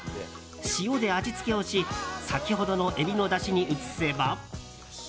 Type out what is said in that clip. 塩で味付けをし先ほどのエビのだしに移せば。